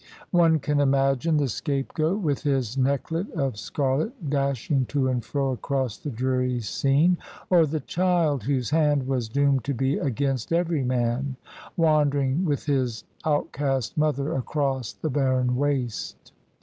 One can imagine the scapegoat, with his necklet of scarlet, dashing to and fro across the dreary scene; or the child, whose hand was doomed to be against every man, wandering with his out cast mother across the barren waste.